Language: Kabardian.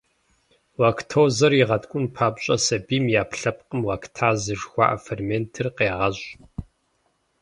Лактозэр игъэткӀун папщӀэ, сабийм и Ӏэпкълъэпкъым лактазэ жыхуаӀэ ферментыр къегъэщӀ.